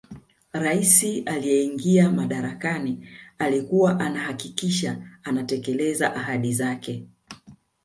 rais aliyeingia madarakani alikuwa anahakikisha anatekeleza ahadi zake